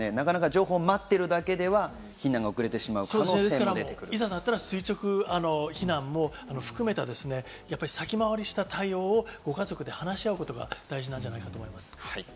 情報を待っているだけでは避難がいざとなったら垂直避難も含めた、先回りした対応をご家族で話し合うことが大事なんじゃないかと思います。